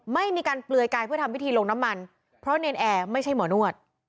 ไม่มีการเปลือยกายเพื่อทำพิธีลงน้ำมันเพราะเนรนแอร์ไม่ใช่หมอนวด